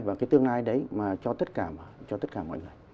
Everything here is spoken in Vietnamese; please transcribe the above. và cái tương lai đấy mà cho tất cả mọi người